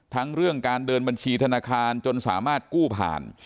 เรื่องการเดินบัญชีธนาคารจนสามารถกู้ผ่าน